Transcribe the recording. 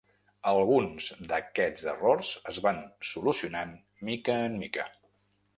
Alguns d’aquests errors es van solucionant mica en mica.